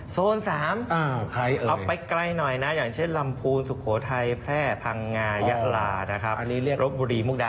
โซน๓เอาไปใกล้หน่อยนะอย่างเช่นลำพูนสุโขทัยแพร่พังงายะหลารถบุรีมุกดาหะ